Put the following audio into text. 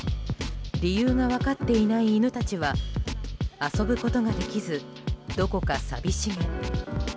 理由が分かっていない犬たちは遊ぶことができずどこか寂しげ。